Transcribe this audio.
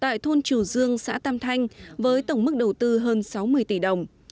tại thôn trù dương xã tam thanh với tổng mức đầu tư hơn sáu mươi tỷ đồng